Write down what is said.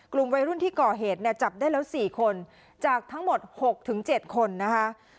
กลุ่มวัยรุ่นที่ก่อเหตุเนี่ยจับได้แล้ว๔คนจากทั้งหมด๖๗คนนะคะ